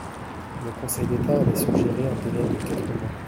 Le Conseil d’État avait suggéré un délai de quatre mois.